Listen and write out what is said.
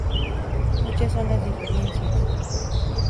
Muchas son las diferencias.